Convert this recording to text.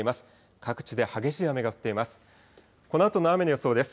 各地で激しい雨が降っています。